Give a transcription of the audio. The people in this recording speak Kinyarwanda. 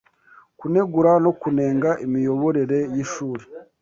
Kunegura no kunenga imiyoborere y’ishuri